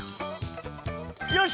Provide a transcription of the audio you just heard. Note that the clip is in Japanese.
よし！